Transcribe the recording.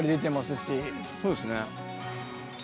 そうですね。